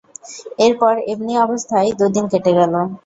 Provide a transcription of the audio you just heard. এরপর এমনি অবস্থায় দুদিন কেটে গেল।